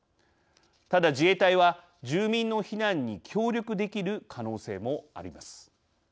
ただ自衛隊は住民の避難に協力できる可能性もあります。